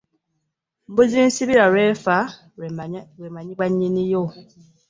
Mbuzi nsibirwa lw'efa lw'emanyibwa nnyiniyo.